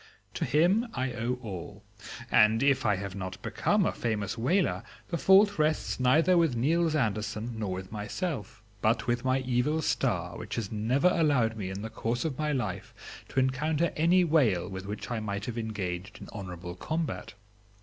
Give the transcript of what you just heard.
To him I owe all, and if I have not become a famous whaler the fault rests neither with Niels Andersen nor with myself, but with my evil star, which has never allowed me in the course of my life to encounter any whale with which I might have engaged in honorable combat.